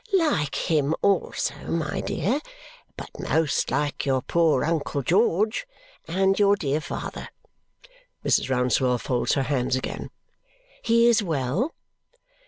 "Like him, also, my dear but most like your poor uncle George! And your dear father." Mrs. Rouncewell folds her hands again. "He is well?"